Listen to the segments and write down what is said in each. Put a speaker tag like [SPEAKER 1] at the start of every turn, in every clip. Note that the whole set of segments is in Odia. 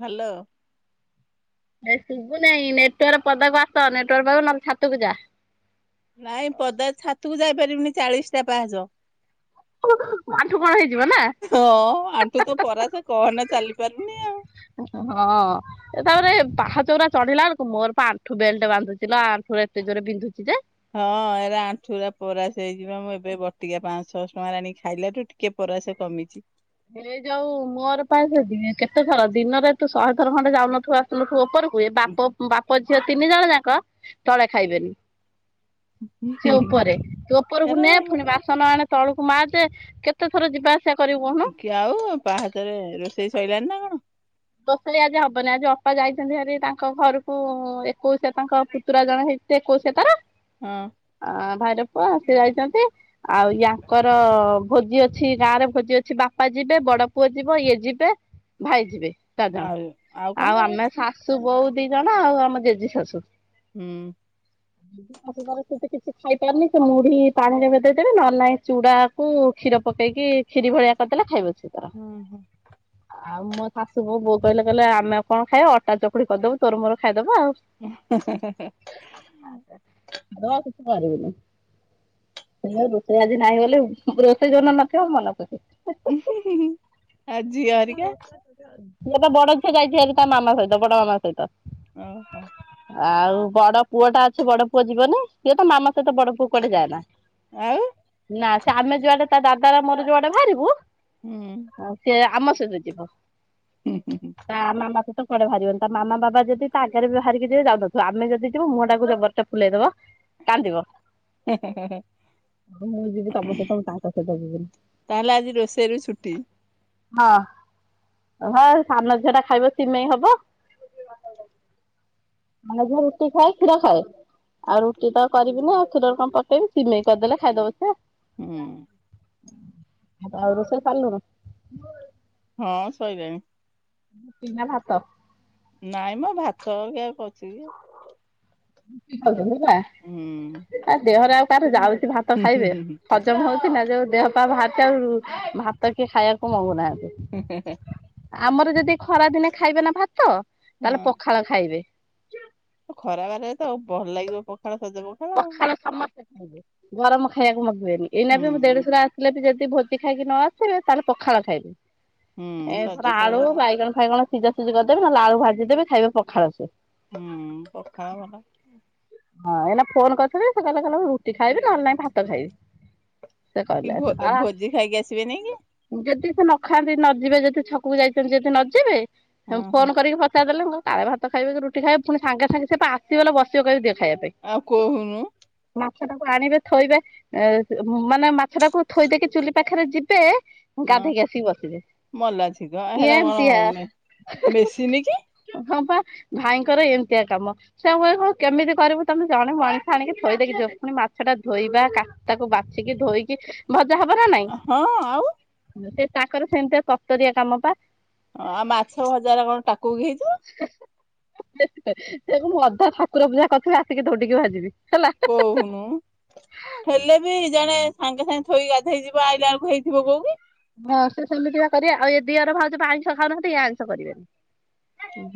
[SPEAKER 1] ହ୍ୟାଲୋ
[SPEAKER 2] ଏ ଶୁଭୁନେଇଁ ନେଟୱାର୍କ ପଦାକୁ ଆସ ନେଟୱର୍କ ନହଲେ ଛାତକୁ ଯା।
[SPEAKER 1] ନାଇଁ ପଦା ଛାତକୁ ଯାଇ ପାରିବନି ଚାଳିଶି ଟା ପାହାଚ।
[SPEAKER 2] ଆଣ୍ଠୁ କଣ ହେଇଯିବ ନା
[SPEAKER 1] ହଁ ଆଣ୍ଠୁ ତ ପରାଜ କହନା ଚାଲି ପାରୁନି ଆ
[SPEAKER 2] ହଁ ତାପରେ ପାହାଚ ଉରା ଚଢିଲା ବେଳକୁ ମୋର ପା ଆଣ୍ଠୁ ବେଲ୍ଟ ବାନ୍ଧୁଥିଲା ଆଣ୍ଠୁରେ ଏତେ ଜୋରେ ବିନ୍ଧୁଛି ଯେ
[SPEAKER 1] ହଁ ଏରା ଆଣ୍ଠୁଉରା ପରାସ ହେଇଯିବ ମୁଁ ଏବେ ବଟିକା ପାଁ ଛଶହ ଟଙ୍କାରେ ଆଣିକି ଖାଇଲା ଠୁ ଟୁିକେ କେ ପରାସେ କମିଚି।
[SPEAKER 2] ହେ ଯୋଉ ମୋର ପା ସେ ଯେ କେତେ ଥର ଦିନରେ ତୁ ଶହେ ଥର ଖଣ୍ଡେ ଯାଉନଥିବୁ ଆସୁ ପୁଅ ଓପରୁ କୁହେ ବାପ ବାପ ଝିଅ ତିନି ଜଣ ଯାକ ତଳେ ଖାଇବେନି। ସେ ଉପରେ ତୁ ଉପରକୁ
[SPEAKER 1] ଏରା
[SPEAKER 2] ନେ ପୁଣି ବାସ ସନ ଆଣେ ତଳକୁ ମାଯେ କେତେ ଥର ଯିବା ଆସିବା କରିବୁ କହୁନୁ।
[SPEAKER 1] ଆଉ ପାହାତରେ ରୋଷେଇ ସରିଲାଣିି ନା କଣ?
[SPEAKER 2] ଦୋଷେଇ ଆଜି ହବନି ଆଜି ଅପା ଯାଇଛନ୍ତି ଭାରି ତାଙ୍କ ଘରକୁ ଏକୋଇଶିଆ ତାଙ୍କ ପୁତୁରା ଜଣେ ହେଇ ସେ ଏକୋଉସିଆ ତାର।
[SPEAKER 1] ହଁ।
[SPEAKER 2] ଅ ଭାଇରପୁଅ ସିଏ ଯାଇଛନ୍ତି ଆଉ ୟାଙ୍କର ଭୋଜି ଅଛି ଗାଁରେ ଭୋଜି ଅଛି ବାପା ଯିବେ ବଡ ପୁଅ ଯିବ ଇଏ ଯିବେ ଭାଇ ଯିବେ। ଚାରିଜଣ
[SPEAKER 1] ଆଉ କଣ
[SPEAKER 2] ଆଉ ଆମେ
[SPEAKER 1] ପାଇଁ
[SPEAKER 2] ଶାଶୁ ବୋଉ ଦି ଜଣ ଆଉ ଆମ ଜେଜି ଶାଶୁ।
[SPEAKER 1] ହୁଁ।
[SPEAKER 2] ହୁଁ। ସେ କିଛି ଖାଇପାରୁନି ସେ ମୁଢି ପାଣିରେଭେ ଦେଇଦେବେ ନହେଲେ ନାହି ଚୁଡା କୁ କ୍ଷୀର ପକେଇକି କ୍ଷିରି ଭଳିଆ କରିଦେଲେ ଖାଇବ ସିଏତାର
[SPEAKER 1] ହୁଁ।
[SPEAKER 2] ଆଉ ମୋ ଶାଶୁ ସୁବୋଉ କହିଲେ କହିଲେ ଆମେ କଣ ଖାଇବା ଅଟା ଚକୁଳି କରିଦବୁ ତୋରମୋର ଖାଇଦବା ଆଉ।
[SPEAKER 1] ହେଁ ହେଁ ହେଁ।
[SPEAKER 2] ଆଉ ଆଉ କିଛି କରିବିନି। ରୋଷେଇ ଆଜି ନାହିଁ ବୋଲି ରୋଷେଇ ଯୋଉଦିନ ନଥିବ ମନ ଖୁସି।
[SPEAKER 1] ଆ ଝିଅ ହରିକା?
[SPEAKER 2] ଝିଅ ତ ବଡ ଝିଅ ଯାଇଛି ହାରି ତା ମାମା ସହିତ ବଡ ମାମା ସହିତ।
[SPEAKER 1] ଓଁ ହୋଁ।
[SPEAKER 2] ଆଉ ବଡ ପୁଅ ଟା ଅଛି ବଡ ପୁଅ ଯିବନି ସିଏ ତ ମାମା ସହିତ ବଡ ପୁଅ କୁଆଡେ ଯାଏନା।
[SPEAKER 1] ଆଉ।
[SPEAKER 2] ନା ସେ ଆମେ ଯୁଆଡେ ତା ଦାଦାର ମୋର ଯୁଆଡେ ବାହାରିବୁ
[SPEAKER 1] ହୁଁ।
[SPEAKER 2] ଆଉ ସେ ଆମ ସହିତ ଯିବ।
[SPEAKER 1] ହୁଁ ହୁଁ।
[SPEAKER 2] ତା ମାମା ସହିତ କୁଆଡେ ବାହାରିବନି ତା ମାମ ବାବା ଯଦି ତା ଆଗରେ ବି ବାହାରିକି ଯିବେ ଯାଉନଥିବ ଆମେ ଯଦି ଯିବୁ ମୁହଁ ଟାକୁ ଯବର ଫୁଲେଇ ଦବ।
[SPEAKER 1] ହେଁ ହେଁ ହେଁ।
[SPEAKER 2] ମୁଁ ଯିବି ତମ ସହିତ ମୁଁ ତାଙ୍କ ସହିତ ଯିବିନି।
[SPEAKER 1] ତାହେଲେ ଆଜି ରୋଷେଇରୁ ଛୁଟି
[SPEAKER 2] ହଁ। ହଁ ସାନ ଝିଅଟା ଖାଇବ ସିମେଇ ହବ। ସାନ ଝିଅ ରୁଟି ଖାଏ କ୍ଷୀର ଖାଏ। ଆଉ ରୁଟି ତ କରିବିନି ଆଉ କ୍ଷୀର ରେ କଣ କରିଦେବି ସିମେଇ କରିଦେଲେ ଖାଇଦବ ସିଏ।
[SPEAKER 1] ହୁଁ।
[SPEAKER 2] ଆଉ ରୋଷେଇ ସରିଲୁନୁ?
[SPEAKER 1] ହଁ ସରିଲାଣି।
[SPEAKER 2] ରୁଟି ନା ଭାତ?
[SPEAKER 1] ନାଇଁମ ଭାତ କିଏ ଆଉ କରୁଛି ଯେ।
[SPEAKER 2] ରୁଟି ଖାଉଚ ହେଲା।
[SPEAKER 1] ହୁଁ।
[SPEAKER 2] ଆ ଦେହରେ ଆଉ କାହାର ଯାଉଛି ଭାତ ଖାଇବେ ହଜମ ହଉଛି ନା ଯୋଉ ଦେହ ପା ବା ସେଉ ଭାତ କିଏ ଖାଇବାକୁ ମଗୁନାହାନ୍ତି।
[SPEAKER 1] ହେଁ ହେଁ।
[SPEAKER 2] ଆମର ଯଦି ଖରା ଦିନେ ଖାଇବେ ନା ଭାତ ତାହେଲେ
[SPEAKER 1] ହଁ
[SPEAKER 2] ପଖାଳ ଖାଇବେ।
[SPEAKER 1] ଖରା ବାରରେ ତ ଆଉ ଭଲ ଲାଗିବ ପଖାଳ ସଜ ପଖାଳ। ଆଉ
[SPEAKER 2] ପଖାଳ ସମସ୍ତେ ଖାଇବେ ଗରମ ଖାଇବାକୁ ମଗିବେନି ଏଇନା ବି ମୋ
[SPEAKER 1] ହୁଁ।
[SPEAKER 2] ଦେଢଶୁର ସ ହେଲେ ବି ଯଦି ଭୋଜି ଖାଇକି ନ ଆସିଥିବେ ତାହେଲେ ପଖାଳ ଖାଇବେ
[SPEAKER 1] ହୁଁ ସଜ
[SPEAKER 2] ଏଥର
[SPEAKER 1] ପଖାଳ
[SPEAKER 2] ଆଳୁ, ବାଇଗଣ ବାଇଗଣ କଣ ସିଝା ସିଝି କରିଦେବି ନ ହେଲେ ଆଳୁ ଭାଜି ଦେବି ଖାଇବେ ପଖାଳ ସବୁ।
[SPEAKER 1] ହୁଁ ପଖାଳ ଭଲ।
[SPEAKER 2] ହଁ ଏଇନା ଫୋନ କରିଥିଲେ ସେ କହିଲେ କହିଲେ ମୁଁ ରୁଟି ଖାଇବି ନହେଲେ ନାଇଁ ଭାତ ଖାଇବି। ସେ
[SPEAKER 1] କି
[SPEAKER 2] କହିଲେ
[SPEAKER 1] ଭଲ ଭୋଜି ଖାଇକି ଆସିବେନେଇ କି?
[SPEAKER 2] ଯଦି ସେ ନ ଖାଆନ୍ତି ନ ଯିବେ ଯଦି ଛକକୁ ଯାଇଛନ୍ତି ଯଦି ନଯିବେ
[SPEAKER 1] ହଁ ହଁ
[SPEAKER 2] ଫୋନ କରିକି ପଚାର ଦେଲେ ମୁଁ କାଳେ ଭାତ ଖାଇବେ କି ରୁଟି ଖାଇବେ ପୁଣି ସାଙ୍ଗେ ସାଙ୍ଗେ ସେ ପା ଆସିବେଲୋ ବସିବେ କହିବେ ଦେ। ଖାଇବା ପାଇଁ।
[SPEAKER 1] ଆଉ କୋହୁନୁ
[SPEAKER 2] ମାଛ ଟାକୁ ଆଣିବେ ଥୋଇବେ। ମାନେ ମାଛ ଟାକୁ ଥୋଇ ଦେଇକି ଚୁଲି ପାଖରେ ଯିବେ
[SPEAKER 1] ହଁ
[SPEAKER 2] ଗାଧେଇକି ଆସିକି ବସିବେ
[SPEAKER 1] ମଲା ଛିଙ୍କ ହେରା କଣ
[SPEAKER 2] ଏମତିଆ।
[SPEAKER 1] ମେସିନି କି
[SPEAKER 2] ହଁ ପା ଭାଇଙ୍କର ଏମିତିଆ କାମ ସବୁ ବେଳେ କଣ କେମିତି କରିବୁ ତମେ ଜଣେ ମଣିଷ ଆଣିକି ଥୋଇଦେଇକି ଯିବ ପୁଣି ମାଛ ଟା ଧୋଇବା କାଟ୍ ତାକୁ ବାଛିକି ଧୋଇକି ଭଜା ହବ ନା ନାଇଁ
[SPEAKER 1] ହଁ ଆଉ
[SPEAKER 2] ସେ ତାଙ୍କର ସେମିତିଆ ତରତରିଆ କାମ ପା
[SPEAKER 1] ହଁ ଆଉ ମାଛ ଭଜା ରା କଣ ଟାକୁଇକି ହେଇଯିବ।
[SPEAKER 2] ସେକୁ ମୁଁ ଅଧା ଠାକୁର ପୂଜା କରିଥିବି ଆସିକି ଧୌଡିକି ଭାଜିବି ହେଲା
[SPEAKER 1] କହୁନୁ। ହେଲେ ବି ଜଣେ ସାଙ୍ଗେ ସାଙ୍ଗେ ଥୋଇକି ଗାଧେଇ ଯିବ ଆଇଲାଳକୁ ହେଇଥିବ କଉ କି?
[SPEAKER 2] ହଁ ସେ ସେମିତିକା କରିବା ଆଉ ଏ ଦିଅର ଭାଉଜ ତ ଆଇଁଷ ଖାଉନାହାନ୍ତି ଏ ଆଇଁଷ କରିବେନି।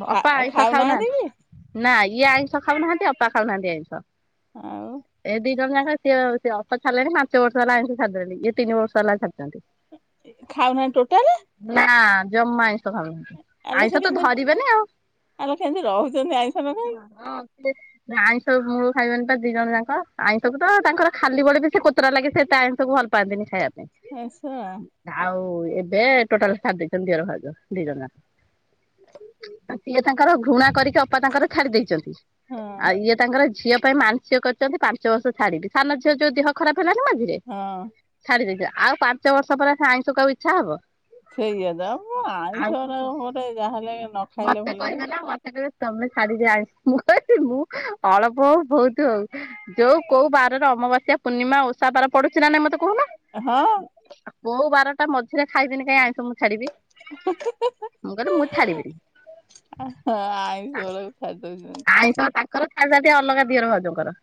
[SPEAKER 1] ଖା
[SPEAKER 2] ଅପା ଆଇଁଷ
[SPEAKER 1] କି
[SPEAKER 2] ଖାଉନାହାନ୍ତି ନା ଇଏ ଆଇଁଷ ଖାଉନାହାନ୍ତି ଅପା ଖାଉନାହାନ୍ତି ଆଇଁଷ।
[SPEAKER 1] ଆଉ?
[SPEAKER 2] ଏ ଦି ଜଣ ଯାକ ସିଏ ସିଏ ଅପା ଛାଡ଼ିଲେଣି ପାଞ୍ଚ ବର୍ଷ ହେଲା ଆଇଁଷ ଛାଡ଼ିଦେଲେଣି ଇଏ ତିନି ବର୍ଷ ହେଲା ଛାଡିଛନ୍ତି।
[SPEAKER 1] ଖାଉନାହାନ୍ତି ଟୋଟାଲେ।
[SPEAKER 2] ନା ଜମା ଆଇଁ ସଖାଳୁ
[SPEAKER 1] ଆଲୋ ସେ
[SPEAKER 2] ଆଇଁଷ ତ
[SPEAKER 1] କେମିତି
[SPEAKER 2] ଧରିବେନି ଆଉ।
[SPEAKER 1] ଆଲୋ କେମିତି ରହୁଛନ୍ତି ଆଇଁଷ ନ ଖାଇକି
[SPEAKER 2] ଆଇଁଷ ମୁଳୁ ଖାଇବାନି ଦି ଜଣ ଯାଙ୍କ ଆଇଁଷକୁ ତ ତାଙ୍କର ଖାଲି ବଳେ ବି ସେ କୋତରା ଲାଗେ ସେ ତା ଆଇଁଷକୁ ଭଲ ପାଆନ୍ତିନି ଖାଇବା ପାଇଁ।
[SPEAKER 1] ଆଛା।
[SPEAKER 2] ଆଉ ଏବେ ଟୋଟାଲ ଛାଡି ଦେଇେଛନ୍ତି ଦିଅର ଭାଉଜ ଦି ଜଣ ଜାକ। ସିଏ ତାଙ୍କର ଘୃଣା କରିକି ଅପା ତାଙ୍କର ଛାଡି ଦେଇଛନ୍ତି।
[SPEAKER 1] ହଁ
[SPEAKER 2] ଆଉ ଇଏ ତାଙ୍କର ଝିଅ ପାଇଁ ମାନ୍‌ସିକ କରିଛନ୍ତି ପାଞ୍ଚ ବର୍ଷ ଛାଡିବି ସାନ ଝିଅ ଯଦି ଦେହ ଖରାପ ହେଲାଣି ମଝିରେ
[SPEAKER 1] ହଁ।
[SPEAKER 2] ଛାଡି ଦେଇେଚେ ଆଉ ପାଞ୍ଚ ବର୍ଷ ପରେ ଆଇଁଷ ଖାଇବାକୁ ଆଉ ଇଚ୍ଛା ହବ।
[SPEAKER 1] ସେଇଆ ଯା ମୁଁ
[SPEAKER 2] ଆଉ
[SPEAKER 1] ଆଇଁଷ ଉରାକ ଗୋଟେ ଯାହାହେଲେ ନ ଖାଇଲେ
[SPEAKER 2] ମତେ
[SPEAKER 1] ଭଲ ଲାଗିବ।
[SPEAKER 2] କହିବେ ନା ମତେ ତମେ ଛାଡ଼ି ଦିଅ ଆଇଁଷ ମୁଁ କହିଲି ମୁଁ ଅଳପ ହଉ ବହୁତ୍ ତୁ ଓଉ ଯୋଉ କୋଉ ବାରର ଅମାବାସ୍ୟା ପୂର୍ଣ୍ଣିମା ଓସା ବାର ପଡୁଚିନା ନା ମତେ କହୁନୁ।
[SPEAKER 1] ହଁ।
[SPEAKER 2] କୋଉ ବାରଟା ମଝିରେ ଖାଇବିନି କାଇଁ ଆଇଁଷ ମୁଁ ଛାଡିବି ମୁଁ କହିଲି ମୁଁ ଛାଡିବିନି।
[SPEAKER 1] ହଁ ଆଇଁଷ ବେଳକୁ ଛାଡ଼ି ଦେଉଛନ୍ତି।
[SPEAKER 2] ଆଇଁଷ ତାଙ୍କର ଛାଡ଼ି ନାଆତୀ ଅଲଗା ଦିଅର ଭାଉଜଙ୍କର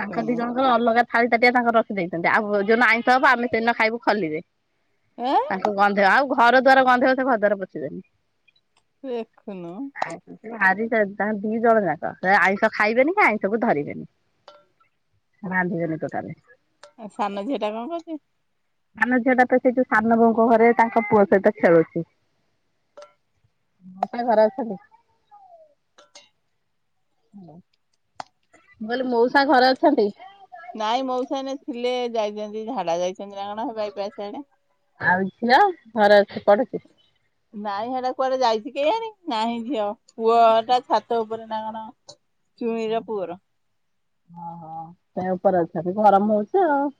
[SPEAKER 2] ତାଙ୍କ ଦିଇ ଜଣକର। ତାଙ୍କର ଅଲଗା ଥାଳି ତାଟିଆ ତାଙ୍କର ରଖି ଦେଇଛନ୍ତି ଆଉ ଯୋଉନ ଆଇଁଷ ହବ ଆମେ ସେଦିନ ଖାଇବୁ ଖଲିରେ।
[SPEAKER 1] ଏଁ
[SPEAKER 2] ତାଙ୍କୁ ଗନ୍ଧେଇବ ଆଉ ଘର ଦ୍ଵାର ଗନ୍ଧେଇବ ସେ ଘର ଦ୍ୱାର ପୋଛିିବେନି।
[SPEAKER 1] ଲେଖୁନୁ
[SPEAKER 2] ଭାରି ସେ ତାଙ୍କ ଦି ଜଣ ଯାକ ସେ ଆଇଁଷ ଖାଇବେନି କି ଆଇଁଷ କୁ ଧରିବେନି। ରାନ୍ଧିବେନି ଟୋଟାଲୀ।
[SPEAKER 1] ଆଉ ସାନ ଝିଅ ଟା କଣ କରୁଚି।
[SPEAKER 2] ସାନ ଝିଅ ଟା ତ ସେ ଯୋଉ ସାନବୋହୁଙ୍କ ଘରେ ତାଙ୍କ ପୁଅ ସହିତ ଖେଳୁଛି। ମୋଉସା ଘରେ ଅଛନ୍ତି। ମୁଁ କହିଲି ମୋଉସା ଘରେ ଅଛନ୍ତି।
[SPEAKER 1] ନାଇଁ ମୋଉସା ଏଇନେ ଥିଲେ ଯାଇଚନ୍ତି ଝାଡା ଯାଇଛନ୍ତି ନା କଣ ବାଇ ପାସ୍ ପାଇଁ ଙ୍କା।
[SPEAKER 2] ଆଉ ଝିଅ ଘରେ ଅଛି ପଢୁଛି।
[SPEAKER 1] ନାଇଁ ହେଟା କୁଆଡେ ଯାଇଛି କେହିଆଣି ନାହିଁ ଝିଅ ପୁଅ ଟା ଛାତ୍ ଛାତଉପରେ ନା କଣ ଚୁଇଁର ପୁଅର।
[SPEAKER 2] ଓହୋ ସେ ଉପରେ ଅଛଟି ଗରମ ହଉଛି ଆଉ।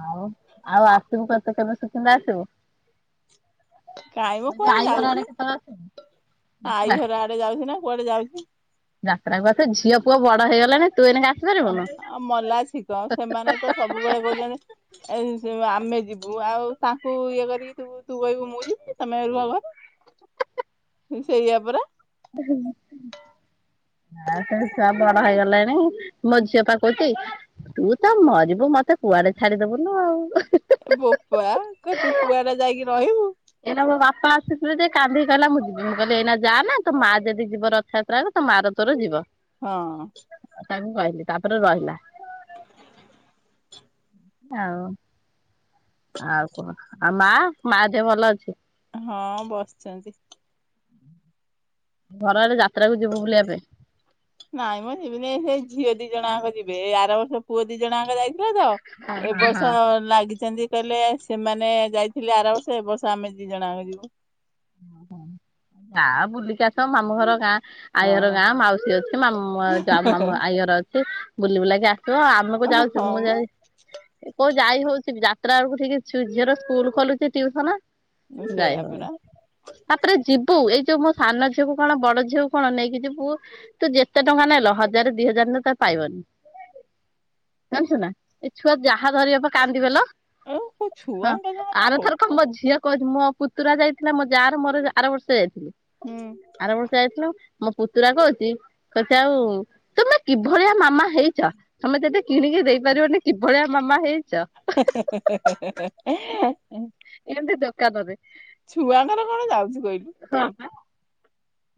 [SPEAKER 2] ଆଉ ଆଉ ଆସିବୁ କେତେ କେବେ ସୁକିନ୍ଦା ଆସିବୁ।
[SPEAKER 1] କାଇଁ ମ
[SPEAKER 2] ମୁଁ ଯୋଉ
[SPEAKER 1] କୁଆଡେ
[SPEAKER 2] ଆଈ ଘର ଆଡେ
[SPEAKER 1] ଯାଉଚି
[SPEAKER 2] କେତେବେଳେ ଆସିବୁ ଯାତ୍ରା?
[SPEAKER 1] ଆଇ ଘର ଆଡେ ଯାଉଚି ନା କୁଆଡେ ଯାଉଚି।
[SPEAKER 2] ଯାତ୍ରା କୁ ଆସେ ଝିଅ ପୁଅ ବଡ ହେଇଗଲାଣି ତୁ ଏନା ଆ
[SPEAKER 1] ଅ ଆଉ ମଲା ଛିଙ୍କ ସେମାନେ ତ ସବୁବେଳେ କୋଉ ଚ଼ନ୍ତି ଏ ଆମେ ଯିବୁ ଆଉ ତାଙ୍କୁ ଇଏ କରିକି ତୁ କହିବୁ ମୁଁ ଯିବି ତମେରୁହ ଘରେ
[SPEAKER 2] [unintelligible]
[SPEAKER 1] ହୁଁ ସେଇଆା ପରା
[SPEAKER 2] ଏଟା ହେଇନେ ଉଁ ଆଉ ତମ ଚୁଆ ବଡ ହେଇଗଲେଣି ମୋ ଝିଅ ପା କଉଚି ତୁ ତ ମରିବୁ ମତେ କୁଆଡେ ଛାଡିଦବୁନୁ ଆଉ
[SPEAKER 1] ବୋପା ତୁ କୁଆଡେ ଯାଇକି ରହିବୁ
[SPEAKER 2] ଏଇନା ମୋ ବାପା ଆସିଥିଲେ ଯେ କାନ୍ଦି କହିଲା ମୁଁ ଯିଁବି ମୁଁ କହିଲି ଏଇନା ଯାଆନା ତୋ ମା ଯଦି ଯିବ ରଥଯାତ୍ରା କୁ ମାର ତୋର ଯିବ।
[SPEAKER 1] ହଁ।
[SPEAKER 2] ତାଙ୍କୁ କଇଲି ତାପରେ ରହିଲା।। ଆଉ ଆଉ କଣ ଆଉ ମା ମା ଦେହ ଭଲ ଅଛି
[SPEAKER 1] ହଁ ବସିଛନ୍ତି।
[SPEAKER 2] ଘର ଆଡ଼େ ଯାତ୍ରା କୁ ଯିବୁ ବୁଲିବା ପାଇଁ
[SPEAKER 1] ନାଇଁ ମୁଁ ଯିବିିନି ସେଇ ଝିଅ ଦି ଜଣାଙ୍କ ଯିବେ ଆର ବର୍ଷ ପୁଅ ଦି ଜଣାଙ୍କ ଯାଇ କେ ସ
[SPEAKER 2] ହଁ
[SPEAKER 1] ଏ
[SPEAKER 2] ହଁ ହଁ
[SPEAKER 1] ବର୍ଷ ଲାଗିଚ଼ନ୍ତି। କଇଲେ ସେମାନେ ଯାଇଥିଲେ ଆରବର୍ଷ ଏବର୍ଷ ଆମେ ଦିଜ ଣାଙ୍କ ଯିବୁ
[SPEAKER 2] ହୁଁ ଗାଁ ବୁଲିକି ଆସ ମାମୁଁଘର ଗାଁ। ଆଇ ଘର ଗାଁ ମାଉସୀ ଅଛି ମାମୁ ମା ଆଇ ଘର ଅଛି ବୁଲି ବୁଲାକି ଆସିବ ଆ ମକୁ
[SPEAKER 1] ହଁ
[SPEAKER 2] ଯାଉଚୁ
[SPEAKER 1] ହଁ
[SPEAKER 2] ମୁଁ
[SPEAKER 1] ବା
[SPEAKER 2] ଯାଇ କୋଉ ଯାଇ ହଉଚି ଯାତ୍ରା ବେଳକୁ ଠିକ୍ ଝିଅର ସ୍କୁଲ ଖୋଲୁଚି ଟିଭସନ।
[SPEAKER 1] ହୁଁ ସେୟା ପରା।
[SPEAKER 2] ତାପରେ ଯିବୁ ଏଇ ଯୋଉ ମୋ ସାନ ଝିଅକୁ କଣ ବଡ ଝିଅକୁ କଣ ନେଇକି ଯିବୁ। ତୁ ଯେତେ ଟଙ୍କା ନେଲ ହଜାର ଦି ହଜାର ନେତ ପାଇବନି। ଜାଣିଚୁ ନା ଏ ଛୁଆ ଯାହା ଧରିବ ପା କାନ୍ଦିିବେଲୋ
[SPEAKER 1] ଆଉ
[SPEAKER 2] ହଁ
[SPEAKER 1] ଛୁଆଙ୍କ କଥା କଣ ପାଇଁ
[SPEAKER 2] ଆର ଥର କ
[SPEAKER 1] କହୁଛୁ
[SPEAKER 2] ମୋ ଝିଅ କହୁଛି ମୋ ପୁତୁରା ଯାଇଥିଲା ମୋ ଯା ର ମୋର ଆର ବର୍ଷ ଯାଇଥିଲୁ।
[SPEAKER 1] ହୁଁ।
[SPEAKER 2] ଆର ବର୍ଷ ଯାଇଥିଲୁ ମୋ ପୁତୁରା କଉଛି ତତେ ଆଉ ତମେ କିଭଳିଆ ମାମା ହେଇଚ଼ ତମେ ତଦେ କିଣିକି ଦେଇପାରିବନି କିଭଳିଆ ମାମା ହେଇଚ଼।
[SPEAKER 1] ହେ ହେ ହେହେ ହେ ହେଁ
[SPEAKER 2] ଏନ୍ତି ଦୋକାନରେ
[SPEAKER 1] ଛୁଆଟାର କଣ ଯାଉଚି କଇଲୁ।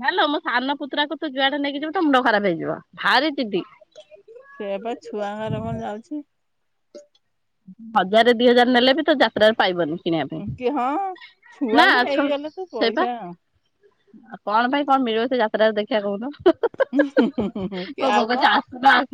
[SPEAKER 2] ହାଲ ମୋ ସାନ ପୁତ୍ରାକୁ ତୁ ଯୁଆ ଡେ ନେଇକି ଯିବୁ ତେ ମୁଣ୍ଡ ଖରାପ ହେଇଯିବ ଭାରି ଯିଦି
[SPEAKER 1] ସେଇଆ ପା ଛୁଆ ଙ୍କର କଣ ଯାଉଚି।
[SPEAKER 2] ହଜାର ଦି ହଜାର ନେଲେ ବି ତୋ ଯା। ତ୍ରାରେ ପାଇବନି କିଣିବା
[SPEAKER 1] ଉଁ, କି ହଁ
[SPEAKER 2] ପାଇଁ ନା
[SPEAKER 1] ଛୁଆକୁ ନେଇକି
[SPEAKER 2] ଛ
[SPEAKER 1] ଗଲେ ତ
[SPEAKER 2] ସେଇପା।
[SPEAKER 1] ପଇସା
[SPEAKER 2] ଆଉ କଣ ପାଇଁ କଣ ମିଳିବ ସେ ଯାତ୍ରା ରୁ ଦେଖିବା କୁହନ୍ତୁ।
[SPEAKER 1] ହୁଁ, ହୁଁ, ହୁଁ ଆଉ କଣ।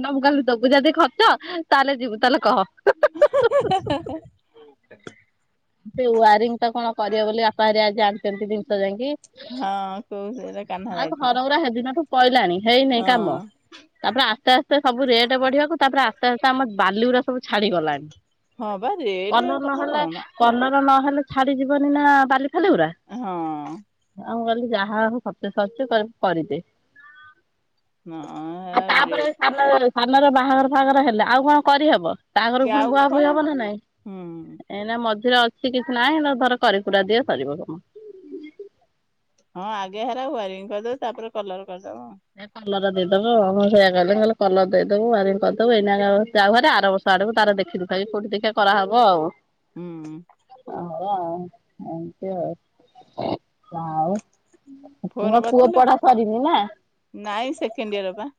[SPEAKER 2] ନବୁ କାଲି ଦବୁ ଯଦି ଖର୍ଚ ତାହେଲେ ଯିବୁ ତାହେଲେ କହ।
[SPEAKER 1] ହଁ, ହଁ, ହଁ
[SPEAKER 2] ସେ ୱାରିଙ୍ଗଟା କଣ କରିବ ବୋଲି ବାପା ହେରିକା ଆଣିଛନ୍ତି ଜିନିଷ ଯାଇକି ୲
[SPEAKER 1] ହଁ କୋଉ ସେଇଟ୍ଟା କାହ୍ନା ଯାଇଥିଲା।
[SPEAKER 2] ପୁରା ହେଦିନଠୁ। ପଇଲାଣି ହେଇନେ କାମ
[SPEAKER 1] ହଁ
[SPEAKER 2] ତାପରେ ଆସ୍ତେ ଆସ୍ତେ ସବୁ ରେଟ୍ ବଢିବାକୁ ତାପରେ ଆସ୍ତେ ଆସ୍ତେ ଆମ ବାଲି ଉରାସବୁ ଛାଡିଗଲାଣି
[SPEAKER 1] ହଁ ବା ରେଟ
[SPEAKER 2] କଲର
[SPEAKER 1] କଥା
[SPEAKER 2] ନହେଲେ
[SPEAKER 1] କହନା
[SPEAKER 2] କଲର ନହେଲେ ଛାଡିଯିବନି ନା ବାଲି ଫାଲି ଉରା।
[SPEAKER 1] ହଁ।
[SPEAKER 2] ଆ ମୁଁ କହିଲି ଯାହାହବ ଖର୍ଚ୍ଚ [unintelligible] କରିଦେ।
[SPEAKER 1] ନା
[SPEAKER 2] ଆଉ
[SPEAKER 1] ରେ।
[SPEAKER 2] ତାପରେ ସାନ ସାନରୋ ବାହାଘର ଫାହାଘର ହେଲେ, ଆଉ କଣ କରିହବ? ବାହାଘର
[SPEAKER 1] କି
[SPEAKER 2] କୁ ପୁଣି
[SPEAKER 1] ଆଉ
[SPEAKER 2] ବୁଆବୁହି
[SPEAKER 1] କଣ
[SPEAKER 2] ହବ ନା ନାଇଁ?
[SPEAKER 1] ହୁଁ
[SPEAKER 2] ଏଇନା ମଝିରେ ଅଛି କିଛି ନାହିଁ, ଧର କରିକୁରା ଦିଏ ସରିବ।
[SPEAKER 1] ହଁ ଆଗେ ହାରା ୱାରିଙ୍ଗ କରିଦବ ତାପରେ କଲର କରିଦବ ହଁ।
[SPEAKER 2] ଏ କଲର ଦେଇଦବଁ, ସେଇଆ କରିଦେବ, କଲେ କଲର ଦେଇଦବୁ, ୱାରିଙ୍ଗ କରିଦବୁ, ଏଇନା ଯାଉ ଭାରି ଆର ସୁଆଡେକୁ ତାର ଦେଖିଦୁଖାକି କୋଉଠି ଟିକେ ତାର କରାହବ ଆଉ।
[SPEAKER 1] ହୁଁ ଉଁ
[SPEAKER 2] ହଉ ଆଉ ଏମତି ଆଉ।
[SPEAKER 1] ଫୋନ
[SPEAKER 2] ମୋ ପୁଅ
[SPEAKER 1] କରିଥିଲୁ
[SPEAKER 2] ପଢା ସରିନି ନା।
[SPEAKER 1] ନାଇଁ ସେକେଣ୍ଡ ଇୟର ପା।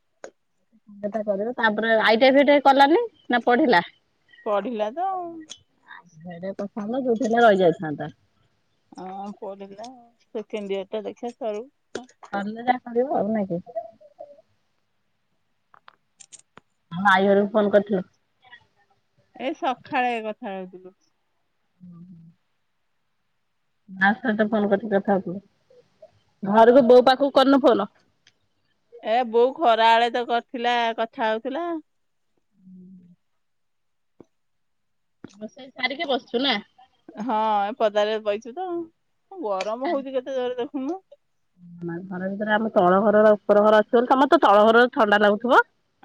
[SPEAKER 2] ତାପରେ ଆଇଟିଆଇ ଫିଟାଇକଲାନି ନା ପଢିଲା?
[SPEAKER 1] ପଢିଲା ତ ଆଉ।
[SPEAKER 2] ହେରା କରିଥାନ୍ତା ଯୋଉଠି ହେଲେ ରହିଯାଇ ଥାନ୍ତା।
[SPEAKER 1] ହଁ ପଢିଲା ସେକେଣ୍ଡ ଇୟର ଟା ଦେଖିବା ସରୁ।
[SPEAKER 2] କ ଯାହା ଦେଖିବ ଆଉ ନାଇ କି?
[SPEAKER 1] [inaudible]
[SPEAKER 2] ହଁ ଆଈ ଘରକୁ ଫୋନ କରିଥିଲୁ?
[SPEAKER 1] ଏ ସକାଳେ କଥା ହଉଥିଲୁ।
[SPEAKER 2] [inaudible] ବା ସାର୍ ତ ଫୋନ କରିଛି କଥା ହଉଥିଲୁ। ଘରକୁ ବୋଉ ପାଖକୁ କରିନୁ ଫୋନ।
[SPEAKER 1] ଏ ବୋଉ ଖରା ବେଳେ ତ କରିଥିଲା, କଥା ହଉଥିଲା।
[SPEAKER 2] ରୋଷେଇ ସାରିକି ବସିଛୁ ନା।
[SPEAKER 1] ହଁ, ଏ ପଦାରେ ବଇଚି ତ ଆଉ। ଗରମ ହଉଛି କେତେ ଜୋର ଦେଖୁନୁ?
[SPEAKER 2] ଘର ଭିତରେ ଆମ ତଳ ଘରର ଉପର ଘର ଆସିବ ତମସ୍ତେ ତଳ ଘର ଥଣ୍ଡା ଲାଗୁଥିବ?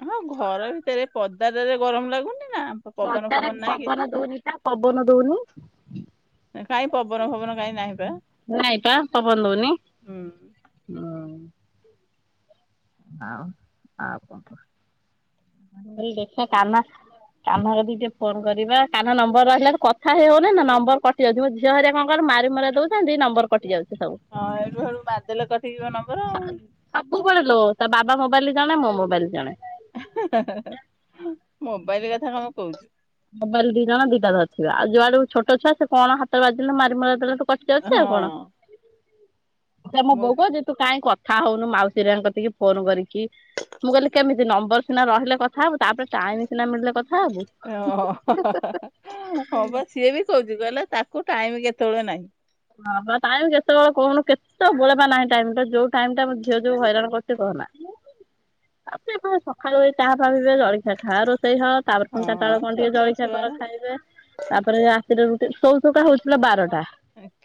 [SPEAKER 1] ହଁ, ଘର ଭିତରେ, ପଦାଟାରେ ଗରମ ଲାଗୁନି ନା? ପବନ
[SPEAKER 2] ଅଦାରେ
[SPEAKER 1] ଫବନ ନାହିଁ କିଛି।
[SPEAKER 2] ପବନ ଦଉନି ତା ପବନ ଦଉନି।
[SPEAKER 1] କାଇହିଁ ପବନ ପବନ କାଇହିଁ ନାହିଁ ପା?
[SPEAKER 2] ନାଇଁ
[SPEAKER 1] ହୁଁ
[SPEAKER 2] ହଁ ଅଁ। ହଉ ଆଉ କଣ କ ଦେଖିବା କାମ? କାହ୍ନା କତି ଟିକେ ଫୋନ କରିବା। କାହ୍ନାନମ୍ବର ରହିଲା କଥା ହେଇ ହଉନି ନା ନମ୍ବର କଟ ଯାଉଛି। ଝିଅ ହିଆ କଣ ମାରି ମୁରା ଦଉଛନ୍ତି ନମ୍ବର କଟି ଯାଉଛି ସବୁ?
[SPEAKER 1] ହଁ, ଏଠୁ ବେଳୁ ବାଦେଲେ କଠ ଯିବ ନମ୍ବର ଆଉ।
[SPEAKER 2] ସବୁବେଳେ ଲୋ, ତା ବାବା ମୋବାଇଲ ଜଣେ ମୋ ମୋବାଇଲ ଜଣେ।
[SPEAKER 1] ମୋବାଇଲ କଥା କଣ କହୁଛୁ?
[SPEAKER 2] ମୋବାଇଲ ଦି ଜଣ ଦିଟା ଧରିଥିବେ। ଆଉ ଯୁଆଡୁ ଛୋଟ ଛୁଆ ସେ କ ହାତ ବାଜିଲେ ମାରି ମାର ଦେଲେ କଟ
[SPEAKER 1] ହଁ
[SPEAKER 2] ଆଛା ମୋ ବୋଉ କହୁଚି ତୁ କାହିଁକି କଥା ହଉନୁ ମାଉସୀରିଆଙ୍କ ଟିକେ ଫୋନ କରିକି? ମୁଁ କହିଲି କେମିତି? ନମ୍ବର ସିନା ରହିଲେ କଥା ହବୁ, ତାପରେ ଟାଇମ ସିନା ମିଳିଲେ କଥା ହବୁ।
[SPEAKER 1] ଓହୋ, ହୋ ହୋ ହୋ ହଁ ବା ସିଏ ବି କହୁଛି। କହିଲେ ତାକୁ ଟାଇମ କେତେବେଳେ ନାହିଁ?
[SPEAKER 2] ହଁ ବା, ଟାଇମ କେତେବେଳେ କହୁନୁ? କେ ତ ବଳେବା ନାହିଁ ଟାଇମ ଟା ଯୋଉ ଟାଇମ ଟା ମୁଁ ଝିଅ ଯୋଉ ହଇରାଣ କରଛି କହନା? ତାପ ସକାଳୁ ତାହା ଭାବିବେ ଜଳଖିଆ ଖା ରୋଷେଇ ହବ। ତାପରେ
[SPEAKER 1] ହଁ
[SPEAKER 2] ପୁଣି ଚାରିଟା
[SPEAKER 1] ହଁ
[SPEAKER 2] ବେଳେ କଣ ଟିକେ
[SPEAKER 1] ଛୋଟ
[SPEAKER 2] ଜଳଖିଆ
[SPEAKER 1] ଛୁଆ
[SPEAKER 2] କର
[SPEAKER 1] ନା
[SPEAKER 2] ଖାଇବେ? ତାପରେ ରାତିରେ ରୁଟି। ଶୋଉ ଶୋଉକା ହଉଥିଲା ବାରଟା।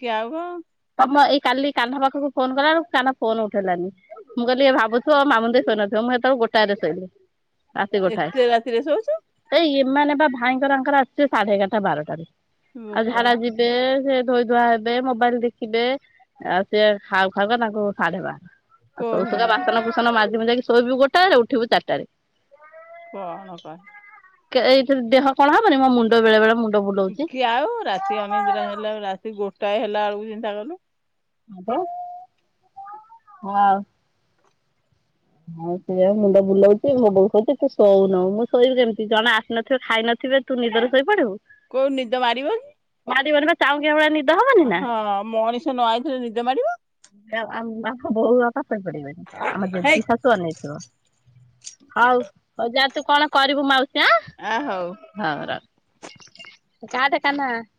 [SPEAKER 1] କି ଆଉ କଣ?
[SPEAKER 2] ତମ ଏଇ କାଲି କାହ୍ନା ପାଖକୁ ଫୋନ କଲା ବେଳକୁ କାହ୍ନା ଫୋନ ଉଠେଇଲାନି। ମୁଁ କହିଲି, ଭାବୁଥିଵ ମାମୁନ୍ଦ ସ ଶୋଇ ନଥିବ, ମୁଁ ସେତେବେଳେ ଗୋଟାଏରେ ଶୋଇଲିି। ରାତି ଗୋଟାଏ,
[SPEAKER 1] ଏତେ ରାତିରେ ଶୋଉଛୁ
[SPEAKER 2] ଏଇ ଏମାନେ ବା ଭାଇଙ୍କରଆଙ୍କର ଆସିବେ ସାଢେ ଏଗାରଟା ବାରଟାରେ। ଆଉ
[SPEAKER 1] ବୋପା
[SPEAKER 2] ଝାଡା ଯିବେ, ସେ ଧୋଇ ଧୁଆ ହେବେ। ମୋବାଇଲ ଦେଖିବେ ଆଉ ସିଏ ଖାଉ ଖାଉ ତାଙ୍କୁ ସାଢେ ବାର। ଆଉ ସବ ସୁା
[SPEAKER 1] କହୁନୁ
[SPEAKER 2] ବାସନ ଫୁସନ ମାଜି ମଜାି ଶୋଇବୁ ଗୋଟା ରେ ଉଠିବୁ ଚାରିଟାରେ।
[SPEAKER 1] କୁହ ନକ [unintelligible]
[SPEAKER 2] ଏଇଥିରେ ଦେହ କଣ ହବନି ମୋ ମୁଣ୍ଡ ବେଳେ ବଳେ ମୁଣ୍ଡ? ବୁଲଉଛି।
[SPEAKER 1] ଶିକି ଆଉ ରାତି ଅନେେଇଟା ହେଲେ ଆ ରାତି ଗୋଟାଏ ହେଲା ବେଳକୁ ଚିନ୍ତା କଲୁ।
[SPEAKER 2] ମ ହଁ [unintelligible] ହଉ ସେଆଉ ମୁଣ୍ଡ ବୁଲଉଛି ଭବ ହଉଛି ତୁ ଶୋଉନୁ ମୁଁ ଶୋଇବୁ କେମିତି ଜଣେ ଆସି ନଥିବେ ଖାଇ ନଥିବେ ତୁ ନିଦରୁ ଶୋଇପଡିବୁ।
[SPEAKER 1] କୋଉ ନିଦ ମାରିବ।
[SPEAKER 2] ମା [unintelligible] ଚାଉ କେଭଳି ନିଦ [unintelligible]
[SPEAKER 1] ହଁ, ମଣିଷ ନ ଆଇଥିଲେ ନିଦ ମାାରିବ।
[SPEAKER 2] ଆ ମା [unintelligible] ଖ ବହୁ ପା ପରେ ପଡିବ
[SPEAKER 1] ହେଇକ [unintelligible]
[SPEAKER 2] ନେଇଥିବ ହଉ ହଉ ଯାହା ତୁ କଣ କରିବୁ ମାଉସୀ ଆଁ?
[SPEAKER 1] ଅ ହଉ।
[SPEAKER 2] ହଉ ର କାଦ କାନ [unintelligible]